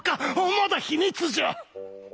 まだ秘密じゃ！